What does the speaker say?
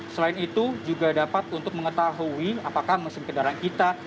selain itu juga dapat untuk mengetahui apakah mesin kendaraan kita